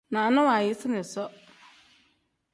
Naana waayisina isoo.